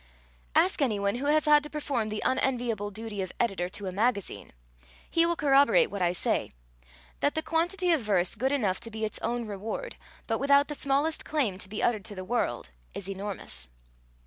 Ask any one who has had to perform the unenviable duty of editor to a magazine: he will corroborate what I say that the quantity of verse good enough to be its own reward, but without the smallest claim to be uttered to the world, is enormous.